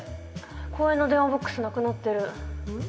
公園の電話ボックスなくなってん？